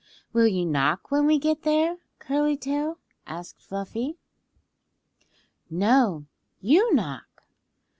"Will you knock when we get there, Curly Tail?" asked Fluffy. "No, you knock."